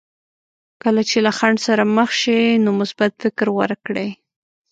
کله چې له خنډ سره مخ شئ نو مثبت فکر غوره کړئ.